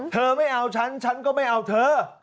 ไม่เอาฉันฉันก็ไม่เอาเธอ